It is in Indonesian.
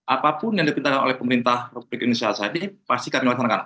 apapun yang dipintakan oleh pemerintah indonesia saat ini pasti kami melaksanakan